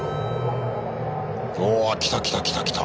おおっ来た来た来た来た。